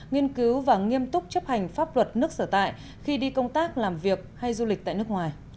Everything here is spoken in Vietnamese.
nghiên cứu và nghiêm túc chấp hành pháp luật nước sở tại khi đi công tác làm việc hay du lịch tại nước ngoài